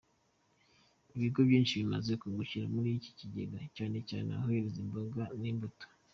Ibigo byinshi bimaze kungukira kuri icyo kigega, cyane cyane abohereza imboga n’imbuto.